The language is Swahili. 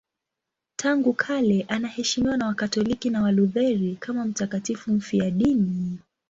Tangu kale anaheshimiwa na Wakatoliki na Walutheri kama mtakatifu mfiadini.